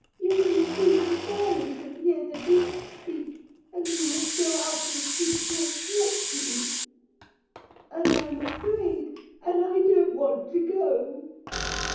You can see the fairies and hear the beasts speak, and you must go out and seek your fortune." And I'm afraid, and I don't want to go.'